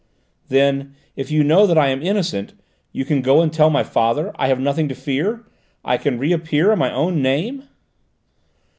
'" "Then, if you know that I am innocent, you can go and tell my father? I have nothing to fear? I can reappear in my own name?"